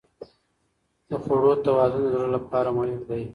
د خوړو توازن د زړه لپاره مهم دی.